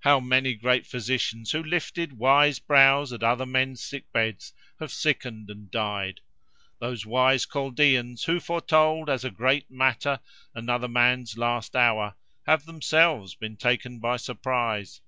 How many great physicians who lifted wise brows at other men's sick beds, have sickened and died! Those wise Chaldeans, who foretold, as a great matter, another man's last hour, have themselves been taken by surprise.